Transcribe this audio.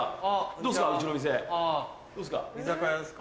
どうっすか？